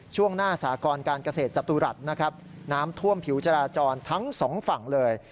ช่วงหน้าสากรการเกษตรจตุรัสนะครับน้ำท่วมผิวจราจรทั้งสองฝั่งเลย